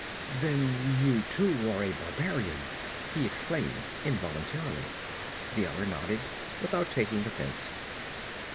'Then you, too, are a barbarian!' he exclaimed involuntarily. The other nodded, without taking offence.